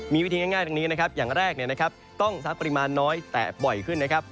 มีวิธีง่ายตรงนี้นะครับอย่างแรกต้องซักปริมาณน้อยแต่บ่อยขึ้นนะครับ